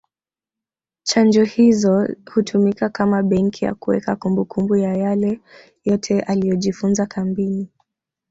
Chanjo hizo hutumika kama benki ya kuweka kumbukumbu ya yale yote aliyojifunza kambini